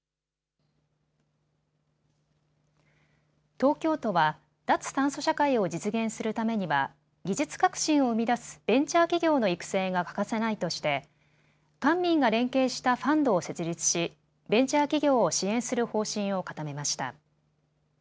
東京都は脱炭素社会を実現するためには技術革新を生み出すベンチャー企業の育成が欠かせないとして官民が連携したファンドを設立しベンチャー企業を支援する方針を固めました。